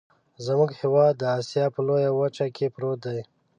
زمونږ هیواد د اسیا په لویه وچه کې پروت دی.